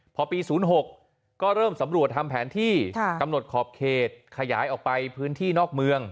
พอปี๐๖ก็เริ่มสำรวจทำแผนที่กำหนดขอบเขตขยายออกไปพื้นที่นอกเมือง